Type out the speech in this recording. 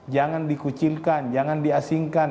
jangan dikucilkan jangan diasingkan